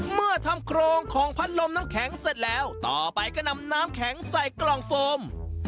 เมื่อทำโครงของพัดลมน้ำแข็งเสร็จแล้วต่อไปก็นำน้ำแข็งใส่กล่องโฟม